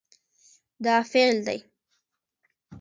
دا فعل دی